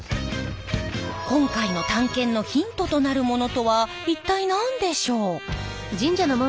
今回の探検のヒントとなるものとは一体何でしょう？